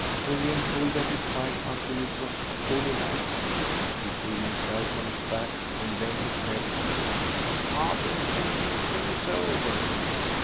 William pulled at his pipe until it was fully lighted. He threw himself on his back, and then he said "I've been thinking things over.